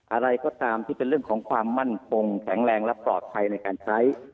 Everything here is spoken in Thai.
อะไรก็ตามที่เป็นเรื่องของความมั่นคงแข็งแรงและปลอดภัยในการใช้